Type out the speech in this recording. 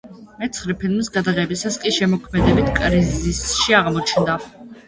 მეცხრე ფილმის გადაღებისას კი შემოქმედებით კრიზისში აღმოჩნდა.